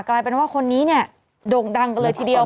กลายเป็นว่าคนนี้เนี่ยโด่งดังกันเลยทีเดียว